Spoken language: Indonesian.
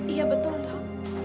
iya betul dok